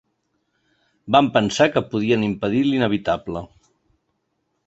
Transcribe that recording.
Van pensar que podien impedir l'inevitable.